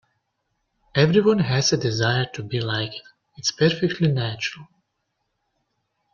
Everyone has a desire to be liked, it's perfectly natural.